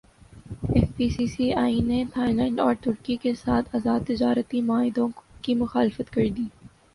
F P C C I نے Thailand اور ترکی کیساتھ ازاد تجارتی معاہدوں کی مخالفت کردی